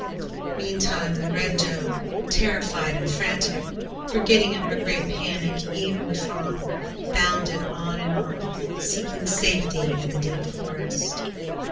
Meantime, the Red Doe, terrified and frantic, forgetting in her great panic even the fawn, bounded on and on, seeking safety in the deep forest.